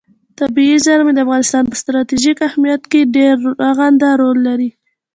طبیعي زیرمې د افغانستان په ستراتیژیک اهمیت کې یو ډېر رغنده رول لري.